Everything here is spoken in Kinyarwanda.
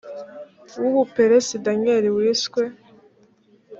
w u buperesi daniyeli wiswe